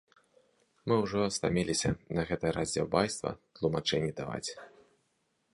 Мы ўжо стаміліся за гэтае раздзяўбайства тлумачэнні даваць.